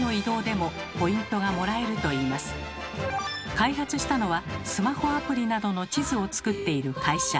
開発したのはスマホアプリなどの地図を作っている会社。